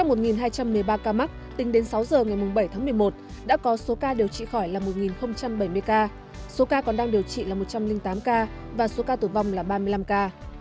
trong một hai trăm một mươi ba ca mắc tính đến sáu giờ ngày bảy tháng một mươi một đã có số ca điều trị khỏi là một bảy mươi ca số ca còn đang điều trị là một trăm linh tám ca và số ca tử vong là ba mươi năm ca